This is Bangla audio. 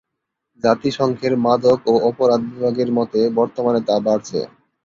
জাতিসংঘের মাদক ও অপরাধ বিভাগের মতে বর্তমানে তা বাড়ছে।